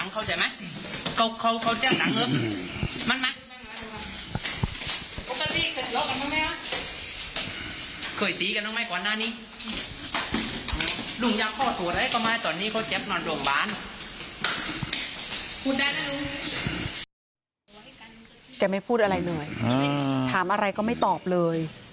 แกไม่พูดอะไรเลยถามอะไรก็ไม่ตอบเลย